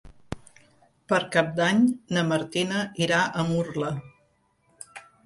Per Cap d'Any na Martina irà a Murla.